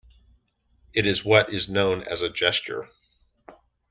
It is what is known as a gesture.